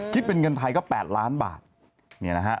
คิดเป็นเงินไทยก็๘ล้านบาทเนี่ยนะฮะ